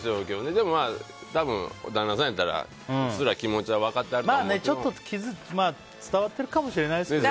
でも多分、旦那さんやったらうっすら気持ちはちゃんと伝わってるかもしれないですよね。